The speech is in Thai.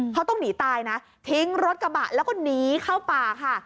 เขาต้องหนีตายนะทิ้งรถกระบะแล้วก็หนีเข้าป่าค่ะ